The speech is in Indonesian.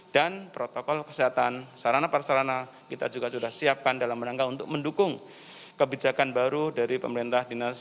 dan protokol kesehatan sarana parasarana kita juga sudah siapkan dalam rangka untuk mendukung kebijakan baru dari pemerintah dki jakarta ini